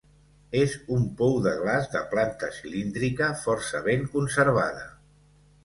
És un pou de glaç de planta cilíndrica força ben conservada.